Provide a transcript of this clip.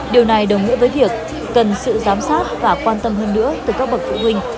điều này đồng nghĩa với việc cần sự giám sát và quan tâm hơn nữa từ các bậc phụ huynh